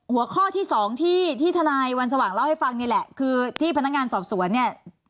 หัวข้อที่สองที่ที่ทนายวันสว่างเล่าให้ฟังนี่แหละคือที่พนักงานสอบสวนเนี่ย